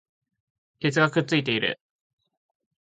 鉄がくっついている